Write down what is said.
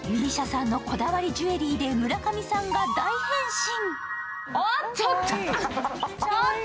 ＭＩＳＩＡさんのこだわりジュエリーで村上さんが大変身。